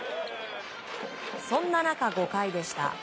そんな中、５回でした。